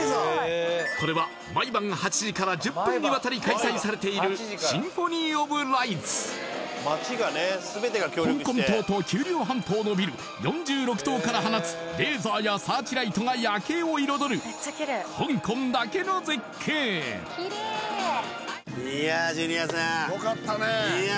これは毎晩８時から１０分にわたり開催されている香港島と九龍半島のビル４６棟から放つレーザーやサーチライトが夜景を彩るいやジュニアさんよかったねいや